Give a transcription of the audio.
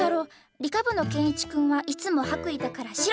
理科部のケンイチ君はいつも白衣だから白。